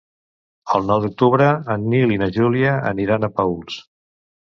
El nou d'octubre en Nil i na Júlia aniran a Paüls.